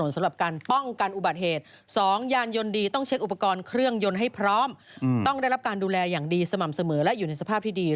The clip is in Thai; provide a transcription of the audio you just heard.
สม่ำเสมอและอยู่ในสภาพที่ดี